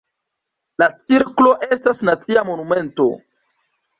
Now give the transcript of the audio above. La cirklo estas nacia monumento.